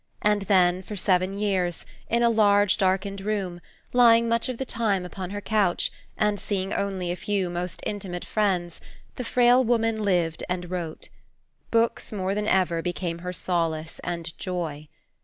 And then for seven years, in a large darkened room, lying much of the time upon her couch, and seeing only a few most intimate friends, the frail woman lived and wrote. Books more than ever became her solace and joy.